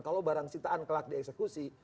kalau barang sitaan kelak dieksekusi